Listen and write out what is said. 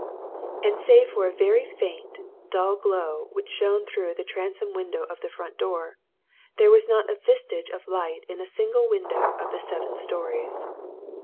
And save for a very faint, dull glow which shone through the transom window of the front door, there was not a vestige of light in a single window of the seven stories.